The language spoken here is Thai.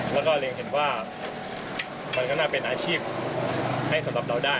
แล้วก็เรียนเห็นว่ามันก็น่าเป็นอาชีพให้สำหรับเราได้